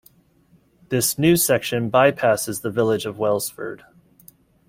This new section by-passes the village of Welsford.